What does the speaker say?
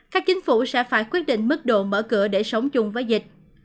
các chính phủ sẽ phải quyết định mức độ mở cửa để sống chung với dịch